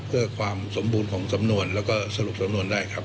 เพื่อความสมบูรณ์ของสำนวนแล้วก็สรุปสำนวนได้ครับ